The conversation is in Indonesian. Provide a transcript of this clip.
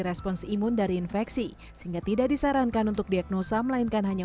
respons imun dari infeksi sehingga tidak disarankan untuk diagnosa melainkan hanya